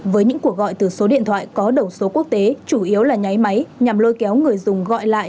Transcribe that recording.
với những cuộc gọi từ số điện thoại có đầu số quốc tế chủ yếu là nháy máy nhằm lôi kéo người dùng gọi lại